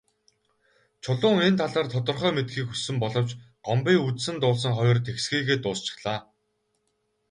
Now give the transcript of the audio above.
Чулуун энэ талаар тодорхой мэдэхийг хүссэн боловч Гомбын үзсэн дуулсан хоёр тэгсхийгээд дуусчихлаа.